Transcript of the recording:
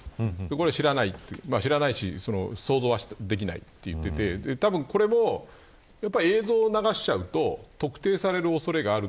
これは知らないし想像はできないと言っていてたぶん、これも映像を流してしまうと特定される恐れがある。